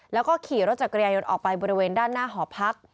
แล้วก็ขี่รถจักรยายนต์ออกไปบริเวณด้านหน้าหอพัก